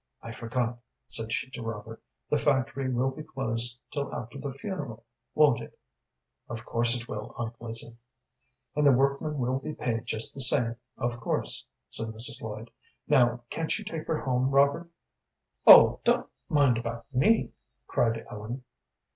"I forgot," said she to Robert; "the factory will be closed till after the funeral, won't it?" "Of course it will, Aunt Lizzie." "And the workmen will be paid just the same, of course," said Mrs. Lloyd. "Now, can't you take her home, Robert?" "Oh, don't mind about me," cried Ellen.